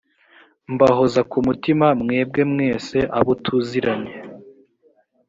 mbahoza ku mutima mwebwe mwese abotuziranye.